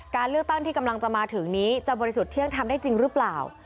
การเลือกตั้งที่กำลังจะมาถึงนี้จะบริสุทธิ์เที่ยงทำได้จริงหรือเปล่า